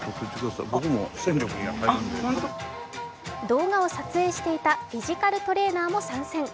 動画を撮影していたフィジカルトレーナーも参戦。